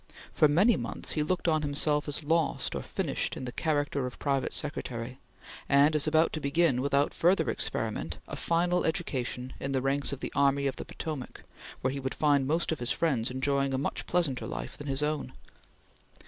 For many months he looked on himself as lost or finished in the character of private secretary; and as about to begin, without further experiment, a final education in the ranks of the Army of the Potomac where he would find most of his friends enjoying a much pleasanter life than his own.